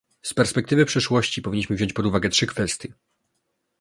Z perspektywy przyszłości powinniśmy wziąć pod uwagę trzy kwestie